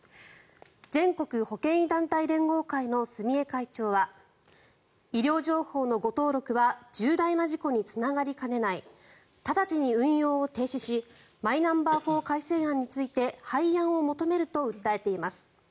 全国保険医団体連合会の住江会長は医療情報の誤登録は重大な事故につながりかねない直ちに運用を停止しマイナンバー法改正案について廃案を求めると訴えています。